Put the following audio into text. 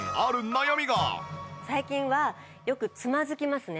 最近はよくつまずきますね。